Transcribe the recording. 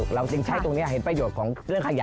เราจึงใช้ตรงนี้รู้ประโยชน์ของขยะ